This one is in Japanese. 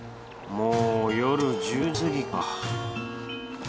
もう夜１０時過ぎか。